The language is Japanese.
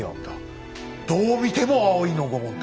どう見ても葵のご紋だ。